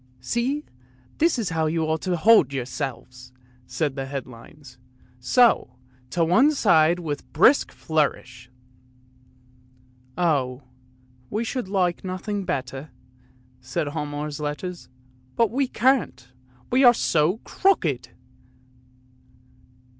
" See, this is how you ought to hold yourselves! " said the headlines, " so — to one side with a brisk flourish! "" Oh, we should like nothing better," said Hialmar's letters, " but we can't, we are so crooked!